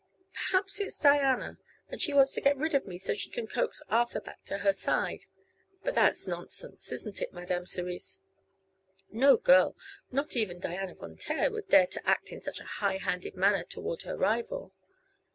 Perhaps it's Diana, and she wants to get rid of me so she can coax Arthur back to her side. But that's nonsense; isn't it, Madame Cerise? No girl not even Diana Von Taer would dare to act in such a high handed manner toward her rival.